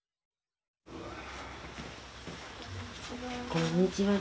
こんにちは。